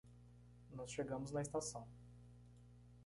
Nós chegamos na estação